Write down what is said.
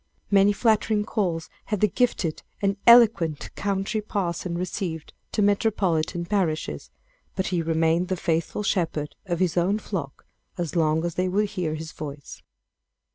Many flattering "calls" had the gifted and eloquent country parson received to metropolitan parishes; but he remained the faithful shepherd of his own flock as long as they would hear his voice.